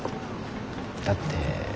だって。